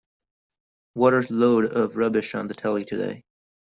What a load of rubbish on the telly today.